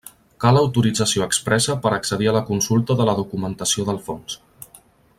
Cal autorització expressa per accedir a la consulta de la documentació del fons.